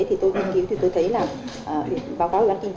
tôi nghiên cứu thì tôi thấy báo cáo ủy ban kinh tế